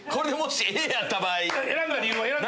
選んだ理由は？